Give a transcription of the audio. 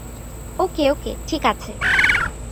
ওকে, okay, ঠিক আছে!